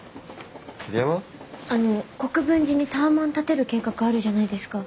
あの国分寺にタワマン建てる計画あるじゃないですか？